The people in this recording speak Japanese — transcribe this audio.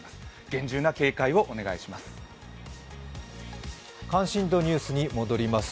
厳重な警戒をお願いします。